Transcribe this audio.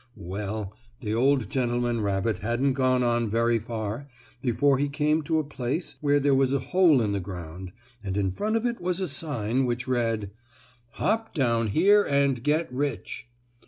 Well, the old gentleman rabbit hadn't gone on very far before he came to a place where there was a hole in the ground, and in front of it was a sign, which read: "HOP DOWN HERE AND GET RICH."